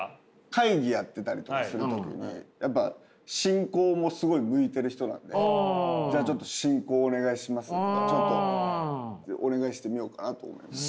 会議やってたりとかする時にやっぱ進行もすごい向いてる人なんでじゃあちょっと「進行お願いします」とかちょっとお願いしてみようかなと思います。